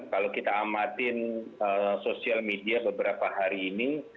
kalau kita amatin sosial media beberapa hari ini